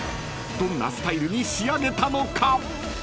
［どんなスタイルに仕上げたのか？］